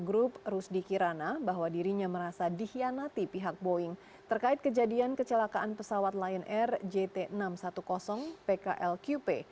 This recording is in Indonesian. grup rusdi kirana bahwa dirinya merasa dihianati pihak boeing terkait kejadian kecelakaan pesawat lion air jt enam ratus sepuluh pklqp